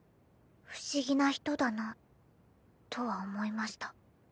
不思議な人だなとは思いました。